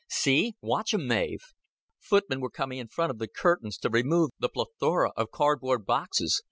"See! Watch 'em, Mav." Footmen were coming in front of the curtains to remove the plethora of cardboard boxes.